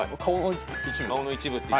顔の一部。